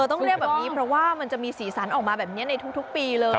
ต้องเรียกแบบนี้เพราะว่ามันจะมีสีสันออกมาแบบนี้ในทุกปีเลย